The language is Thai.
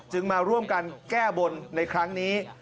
มาร่วมกันแก้บนในครั้งนี้